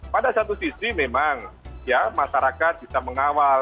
pada satu sisi memang ya masyarakat bisa mengawal